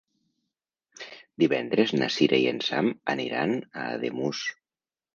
Divendres na Sira i en Sam aniran a Ademús.